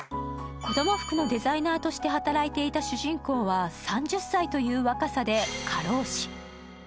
子供服のデザイナーとして働いていた主人公は３０歳の若さで過労死。